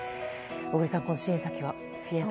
小栗さん、この支援策は。